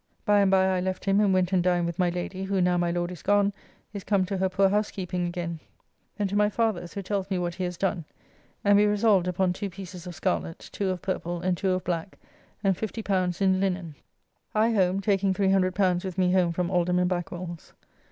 By and by I left him and went and dined with my Lady, who, now my Lord is gone, is come to her poor housekeeping again. Then to my father's, who tells me what he has done, and we resolved upon two pieces of scarlet, two of purple, and two of black, and L50 in linen. I home, taking L300 with me home from Alderman Backwell's.